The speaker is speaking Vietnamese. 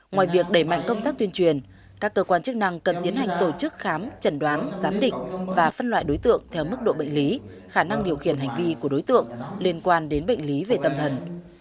ngoài việc đẩy mạnh công tác tuyên truyền các cơ quan chức năng cần tiến hành tổ chức khám chẩn đoán giám định và phân loại đối tượng theo mức độ bệnh lý khả năng điều khiển hành vi của đối tượng liên quan đến bệnh lý về tâm thần